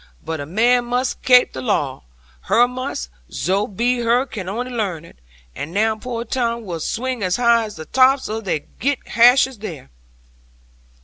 But a man must kape the law, her must; zo be her can only learn it. And now poor Tom will swing as high as the tops of they girt hashes there."